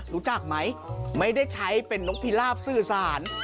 รู้จักไหมไม่ได้ใช้เป็นนกพิราบสื่อสาร